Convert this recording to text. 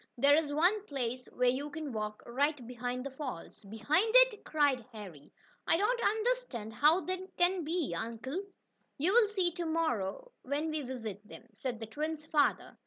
There is one place where you can walk right behind the falls." "Behind it!" cried Harry. "I don't understand how that can be, uncle." "You'll see to morrow, when we visit them," said the twins' father.